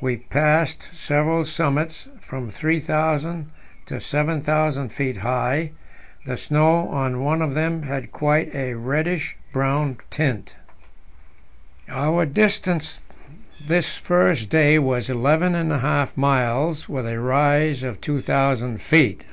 We passed several summits from 3,000 to 7,000 feet high; the snow on one of them had quite a reddish brown tint. Our distance this first day was eleven and a half miles, with a rise of 2,000 feet.